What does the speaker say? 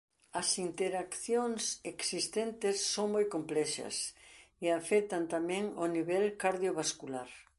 As interaccións existentes son moi complexas e afectan tamén o nivel cardiovascular.